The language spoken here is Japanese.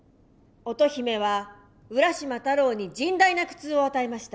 乙姫は浦島太郎に甚大な苦痛を与えました。